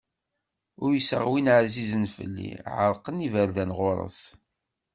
Uyseɣ win ɛzizen fell-i, ɛerqen yiberdan ɣur-s.